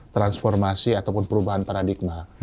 transformasi ataupun perubahan paradigma